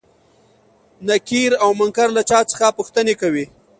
نکير او منکر له چا څخه پوښتنې کوي؟